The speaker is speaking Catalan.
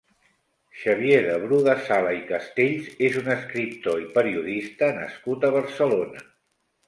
Xavier de Bru de Sala i Castells és un escriptor i periodista nascut a Barcelona.